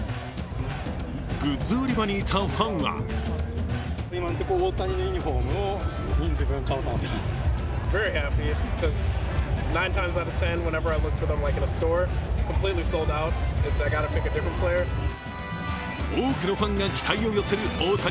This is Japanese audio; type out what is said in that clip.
グッズ売り場にいたファンは多くのファンが期待を寄せる大谷。